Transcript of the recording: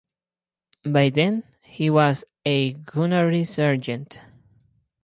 By then he was a Gunnery Sergeant.